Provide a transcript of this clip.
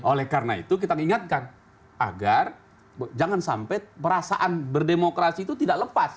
oleh karena itu kita ingatkan agar jangan sampai perasaan berdemokrasi itu tidak lepas